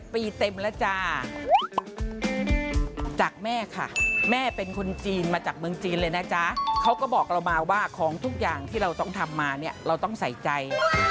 ปีเต็มแล้วจ้าจากแม่ค่ะแม่เป็นคนจีนมาจากเมืองจีนเลยนะจ๊ะเขาก็บอกเรามาว่าของทุกอย่างที่เราต้องทำมาเนี่ยเราต้องใส่ใจ